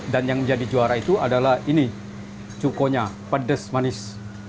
dan yang menjadi juara itu adalah ini cukonya pedas manis